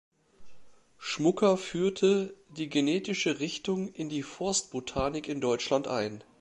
Schmucker führte die genetische Richtung in die Forstbotanik in Deutschland ein.